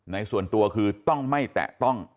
ในส่วนตัวคือต้องไม่แตะต้อง